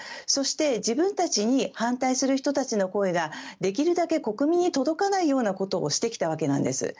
そして、自分たちに反対する人たちの声はできるだけ国民に届かないようにしてきたわけなんです。